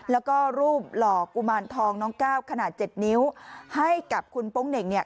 แล้วก็รูปหล่อกุมารทองน้องก้าวขนาดเจ็ดนิ้วให้กับคุณโป๊งเหน่งเนี่ย